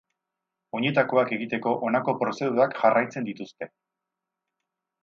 Oinetakoak egiteko honako prozedurak jarraitzen dituzte.